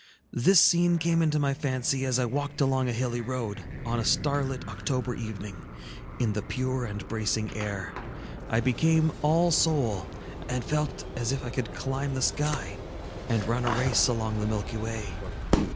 This scene came into my fancy as I walked along a hilly road, on a starlight October evening; in the pure and bracing air, I became all soul, and felt as if I could climb the sky, and run a race along the Milky Way.